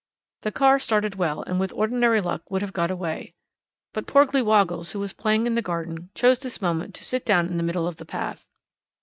The car started well, and with ordinary luck would have got away. But Porgly woggles, who was playing in the garden, chose this moment to sit down in the middle of the path.